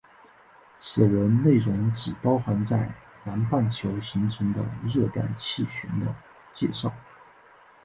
此文内容只包含在南半球形成的热带气旋的介绍。